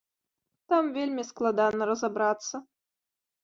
Там вельмі складана разабрацца.